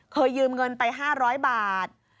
ยืมเงินไป๕๐๐บาท